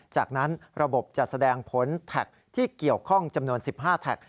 จากนั้นระบบจะแสดงผลแท็กที่เกี่ยวข้องจำนวน๑๕แท็ก